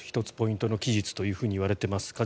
１つポイントの期日といわれています。